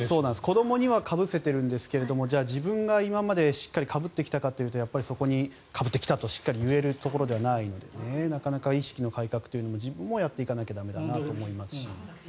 子どもにはかぶせてますが自分が今までしっかりかぶってきたかというとやっぱり、そこにかぶってきたと言えるところではないのでなかなか意識の改革を自分もやっていかなきゃいけないと思いますし。